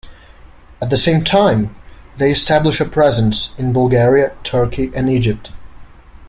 At the same time, they established a presence in Bulgaria, Turkey, and Egypt.